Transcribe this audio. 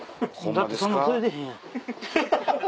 だってそんな釣れてへんやん。